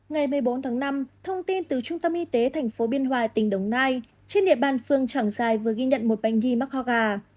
ngày một mươi bốn tháng năm thông tin từ trung tâm y tế thành phố biên hòa tỉnh đồng nai trên địa bàn phường tràng giai vừa ghi nhận một bệnh nhi mắc ho gà